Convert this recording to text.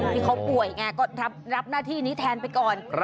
ที่เขาป่วยไงก็รับหน้าที่นี้แทนไปก่อน